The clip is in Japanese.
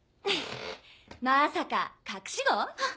まさか隠し子？